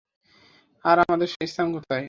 আর আমাদের স্থান কোথায়?